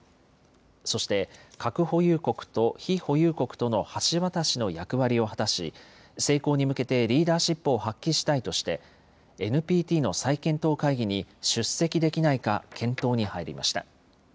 そして、核保有国と非保有国との橋渡しの役割を果たし、成功に向けてリーダーシップを発揮したいとして、ＮＰＴの再検討会議に出席できないか検討に入りました。